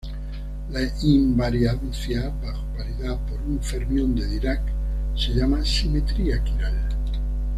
La invariancia bajo paridad por un fermión de Dirac se llama "simetría quiral".